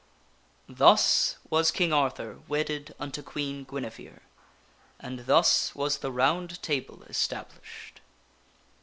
Thus was King Arthur wedded unto Queen Guinevere, and thus was the Round Table established.